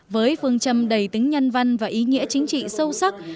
với phương châm đầy tính nhân văn và ý nghĩa chính trị sâu sắc